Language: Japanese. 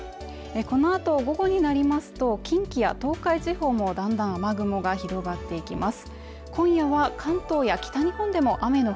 このあと午後になりますと、近畿や東海地方もだんだん雨雲が広がっていきます。